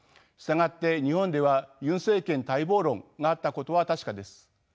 従って日本ではユン政権待望論があったことは確かです。